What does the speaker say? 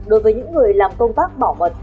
đối với những người làm công tác bảo mật